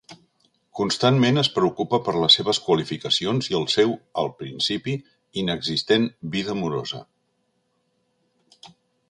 Constantment es preocupa per les seves qualificacions i el seu, al principi, inexistent vida amorosa.